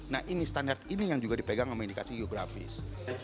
nah ini standar ini yang juga dipegang sama indikasi geografis